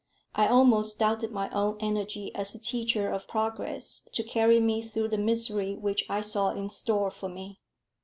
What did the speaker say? I almost doubted my own energy as a teacher of progress to carry me through the misery which I saw in store for me.